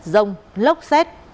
rông lốc xét